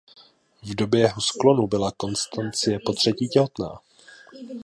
V době jeho skonu byla Konstancie potřetí těhotná.